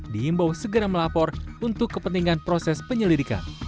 diimbau segera melapor untuk kepentingan proses penyelidikan